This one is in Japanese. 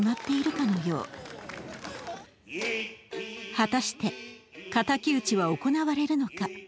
果たして敵討は行われるのか。